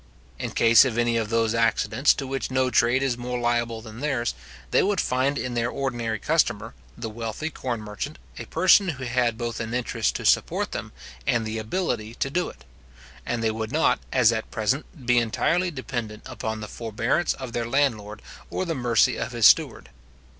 In case of any of those accidents to which no trade is more liable than theirs, they would find in their ordinary customer, the wealthy corn merchant, a person who had both an interest to support them, and the ability to do it; and they would not, as at present, be entirely dependent upon the forbearance of their landlord, or the mercy of his steward.